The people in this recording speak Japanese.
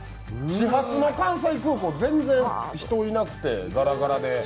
始発の関西空港、全然人いなくてがらがらで。